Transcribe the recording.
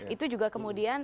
itu juga kemudian